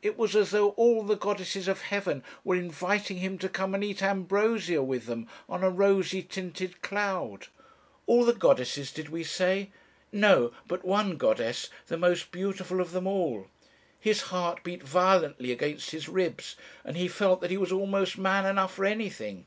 It was as though all the goddesses of heaven were inviting him to come and eat ambrosia with them on a rosy tinted cloud. All the goddesses, did we say? No, but one goddess, the most beautiful of them all. His heart beat violently against his ribs, and he felt that he was almost man enough for anything.